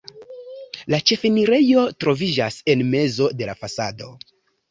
La ĉefenirejo troviĝas en mezo de la fasado.